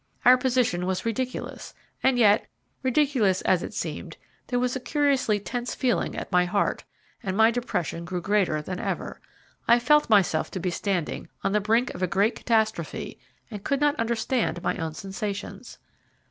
Our position was ridiculous and yet, ridiculous as it seemed, there was a curiously tense feeling at my heart, and my depression grew greater than ever. I felt myself to be standing on the brink of a great catastrophe, and could not understand my own sensations.